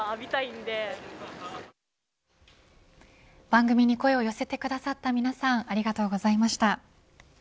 番組に声を寄せてくださった皆さんありがとうございました。